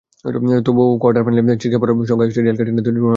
তবে কোয়ার্টার ফাইনালেই ছিটকে পড়ার শঙ্কায় থাকা রিয়ালকে টেনে তুলেছেন রোনালদোই।